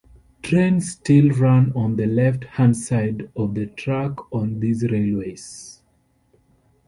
Trains still run on the left hand side of the track on these railways.